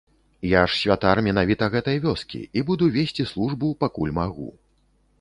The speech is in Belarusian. Я ж святар менавіта гэтай вёскі і буду весці службу, пакуль магу.